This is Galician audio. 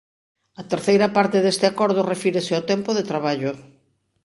A terceira parte deste acordo refírese ao tempo de traballo.